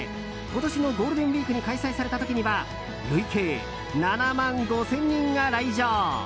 今年のゴールデンウィークに開催された時には累計７万５０００人が来場！